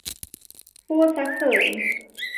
พูดซะเขิน